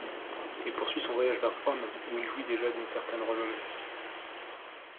Il poursuit son voyage vers Rome, où il jouit déjà d'une certaine renommée.